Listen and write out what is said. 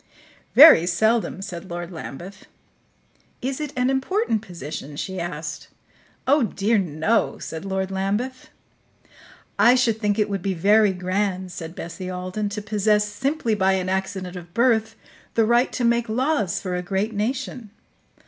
"Very seldom," said Lord Lambeth. "Is it an important position?" she asked. "Oh, dear, no," said Lord Lambeth. "I should think it would be very grand," said Bessie Alden, "to possess, simply by an accident of birth, the right to make laws for a great nation."